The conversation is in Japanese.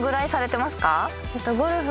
ゴルフ